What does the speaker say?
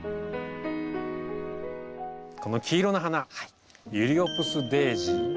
この黄色の花ユリオプスデージー。